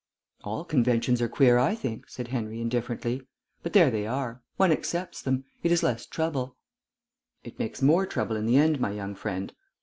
"All conventions are queer, I think," Henry said indifferently. "But there they are. One accepts them. It is less trouble." "It makes more trouble in the end, my young friend....